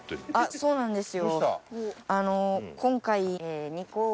そうなんですよ